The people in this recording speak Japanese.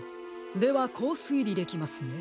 ではこうすいりできますね。